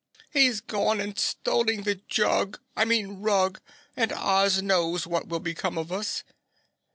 "He's gone and stolen the jug, I mean Rug, and Oz knows what will become of us!"